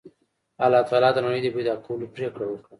الله تعالی د نړۍ د پیدا کولو پرېکړه وکړه